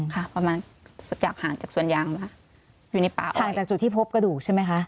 ค่ะประมาณจากห่างจากสวนยางค่ะอยู่ในป่าห่างจากจุดที่พบกระดูกใช่ไหมคะ